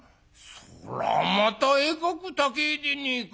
「そらまたえかく高えでねえか。